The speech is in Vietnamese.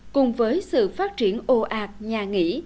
cùng với sự phát triển ô ạc nhà nghỉ